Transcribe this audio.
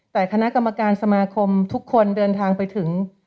แต่คณะกรรมการสมาคมทุกคนเดินทางไปถึง